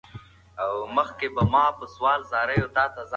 د ستونزو کمول د کورنۍ د پلار کار دی.